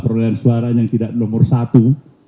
perolehan suara yang tidak nomor satu